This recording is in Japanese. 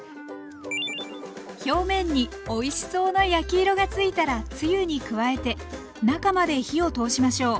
表面においしそうな焼き色がついたらつゆに加えて中まで火を通しましょう。